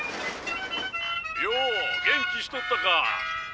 ようげんきしとったか？